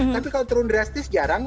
tapi kalau turun drastis jarang